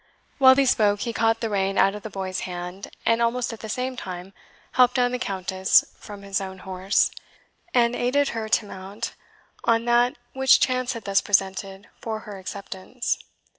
While he spoke, he caught the rein out of the boy's hand, and almost at the same time helped down the Countess from his own horse, and aided her to mount on that which chance had thus presented for her acceptance.